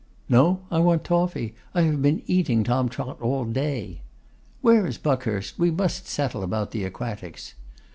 'No, I want toffy; I have been eating Tom Trot all day.' 'Where is Buckhurst? We must settle about the Aquatics.